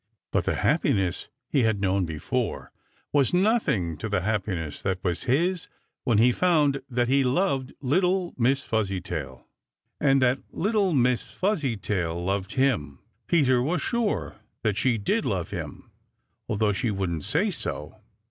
But the happiness he had known before was nothing to the happiness that was his when he found that he loved little Miss Fuzzytail and that little Miss Fuzzytail loved him, Peter was sure that she did love him, although she wouldn't say so.